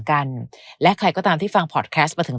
การใช้ชีวิตคู่ไม่มีใครสมบูรณ์แบบนะแม้แต่เรา